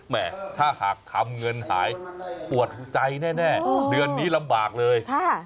แม่ถ้าหากทำเงินหายปวดใจแน่เดือนนี้ลำบากเลย